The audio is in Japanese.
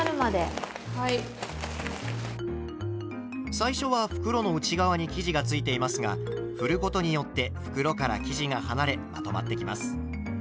最初は袋の内側に生地がついていますがふることによって袋から生地が離れまとまってきます。